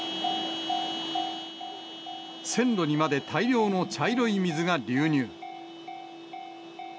線路にまで大量の茶色い水が流入。